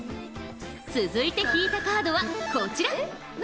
続いて引いたカードはこちら。